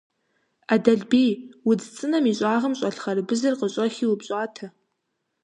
Ӏэдэлбий, удз цӀынэм и щӀагъым щӀэлъ хъарбызыр къыщӀэхи упщӀатэ.